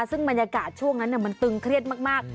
ซึ่งบรรยากาศช่วงนั้นมันตึงเครียดมาก